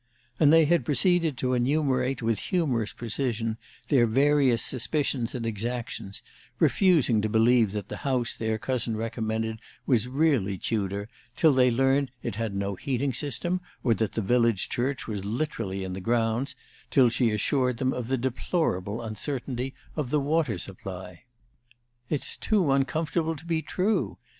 And they had proceeded to enumerate, with humorous precision, their various suspicions and exactions, refusing to believe that the house their cousin recommended was really Tudor till they learned it had no heating system, or that the village church was literally in the grounds till she assured them of the deplorable uncertainty of the water supply. "It's too uncomfortable to be true!"